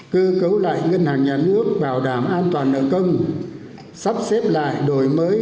cơ cấu lại ngân hàng nhà nước bảo đảm an toàn nợ công sắp xếp lại đổi mới